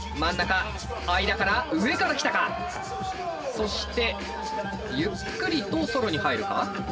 そしてゆっくりとソロに入るか？